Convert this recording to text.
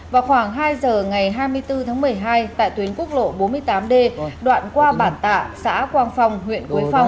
vào khoảng hai giờ ngày hai mươi bốn tháng một mươi hai tại tuyến quốc lộ bốn mươi tám d đoạn qua bản tạ xã quang phong huyện quế phong